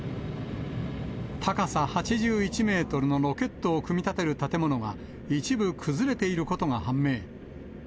高さ８１メートルのロケットを組み立てる建物が、一部崩れていることが判明。